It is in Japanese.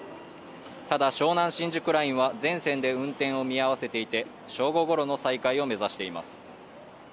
ただ湘南新宿ラインは全線で運転を見合わせていて正午ごろの再開を目指しています。